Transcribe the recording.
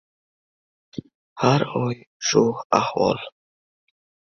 Har oy shu ahvol.